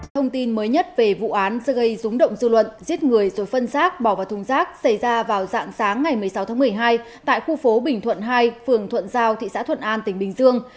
thông tin mới nhất về vụ án sẽ gây rúng động dư luận giết người rồi phân rác bỏ vào thùng rác xảy ra vào dạng sáng ngày một mươi sáu tháng một mươi hai tại khu phố bình thuận hai phường thuận giao thị xã thuận an tỉnh bình dương